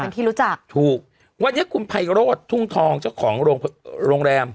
เป็นที่รู้จักถูกวันนี้คุณไพโรธทุ่งทองเจ้าของโรงโรงแรม